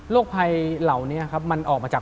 ภัยเหล่านี้ครับมันออกมาจาก